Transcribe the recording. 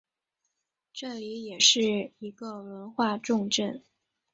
这里也是一个文化重镇。